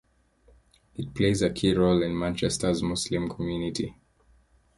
It plays a key role in Manchester's Muslim community.